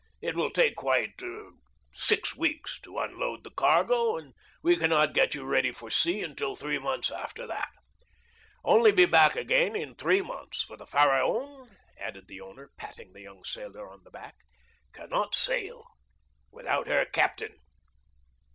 It will take quite six weeks to unload the cargo, and we cannot get you ready for sea until three months after that; only be back again in three months, for the Pharaon," added the owner, patting the young sailor on the back, "cannot sail without her captain."